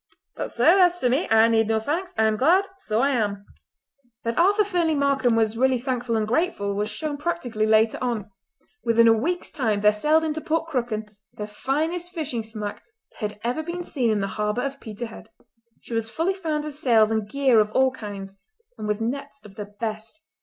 But, sir, as for me I need no thanks. I am glad, so I am!" That Arthur Fernlee Markam was really thankful and grateful was shown practically later on. Within a week's time there sailed into Port Crooken the finest fishing smack that had ever been seen in the harbour of Peterhead. She was fully found with sails and gear of all kinds, and with nets of the best.